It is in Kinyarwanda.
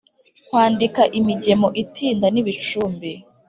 kwandika imigemo itinda nibicumbi